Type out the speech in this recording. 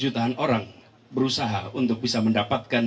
jutaan orang berusaha untuk bisa mendapatkan